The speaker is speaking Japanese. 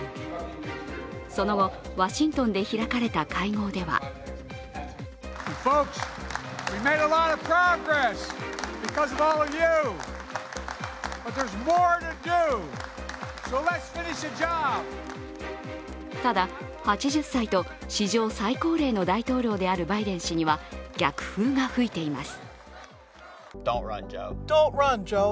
その後、ワシントンで開かれた会合ではただ、８０歳と史上最高齢の大統領であるバイデン氏には逆風が吹いています。